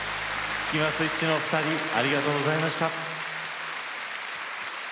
スキマスイッチのお二人ありがとうございました。